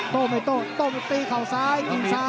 โต๊ะหมดตีเหล่าซ้ายกิ่งซาง